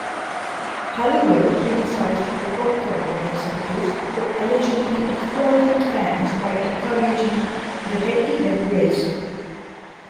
Halliwell criticised record company executives for allegedly exploiting fans by encouraging the head-to-head race.